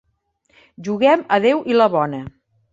Juguem a deu i la bona.